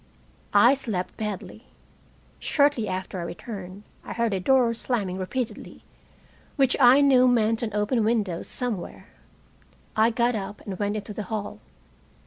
I slept badly. Shortly after I returned I heard a door slamming repeatedly, which I knew meant an open window somewhere. I got up and went into the hall.